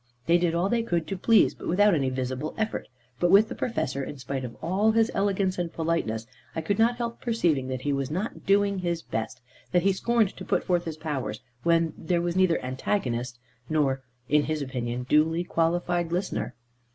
They did all they could to please, but without any visible effort. But with the Professor, in spite of all his elegance and politeness, I could not help perceiving that he was not doing his best, that he scorned to put forth his powers when there was neither antagonist nor (in his opinion) duly qualified listener.